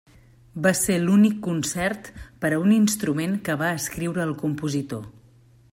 Va ser l'únic concert per a un instrument que va escriure el compositor.